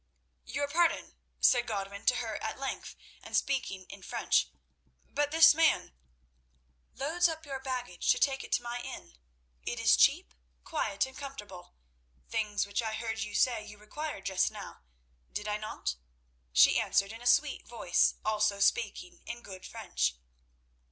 "Your pardon," said Godwin to her at length and speaking in French, "but this man—" "Loads up your baggage to take it to my inn. It is cheap, quiet and comfortable—things which I heard you say you required just now, did I not?" she answered in a sweet voice, also speaking in good French.